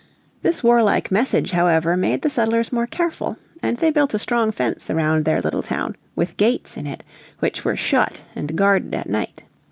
This warlike message however made the settlers more careful, and they built a strong fence around their little town, with gates in it, which were shut and guarded at night.